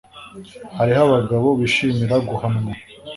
hariho abagabo bishimira guhanwa